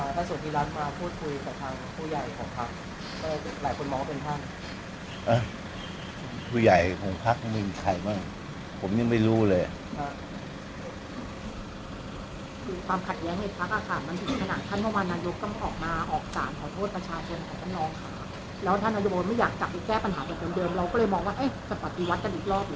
แล้วท่านนัยโบนไม่อยากจัดแก้ปัญหาแบบเกินเดิมเราก็เลยมองว่าเอ๊ะจะฝัดดีวัฒน์กันอีกรอบหรือว่า